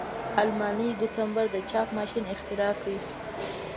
آلماني ګونتبر د چاپ ماشین اختراع کړ.